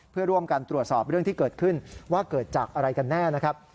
เพื่อร่วมกันตรวจสอบเรื่องที่เกิดขึ้นว่าเกิดจากอะไรกันแน่นะครับ